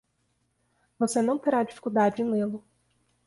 Você não terá dificuldade em lê-lo.